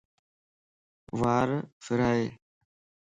وار ڦڙائي.